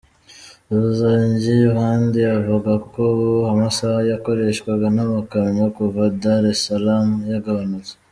Ruzangi kandi avuga ko ubu amasaha yakoreshwaga n’amakamyo kuva Dar-es-Salaam yagabanutse.